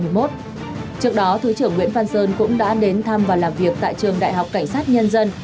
trước đó thứ trưởng nguyễn phan sơn cũng đã đến thăm và làm việc tại trường đại học cảnh sát nhân dân